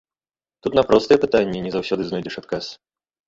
Тут на простыя пытанні не заўсёды знойдзеш адказ.